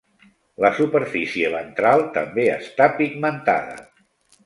La superfície ventral també està pigmentada.